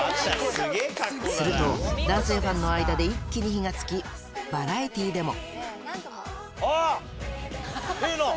すると、男性ファンの間で一気に火がつき、バラエティーでも。